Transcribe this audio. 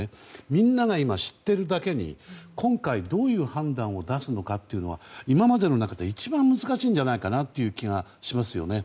みんなが今知っているだけに今回、どういう判断を出すのかというのは今までの中で一番難しいんじゃないかなという気がしますよね。